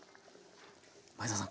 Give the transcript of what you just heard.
前沢さん